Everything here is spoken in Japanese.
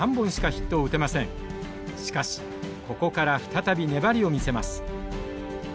しかしここから再び粘りを見せます。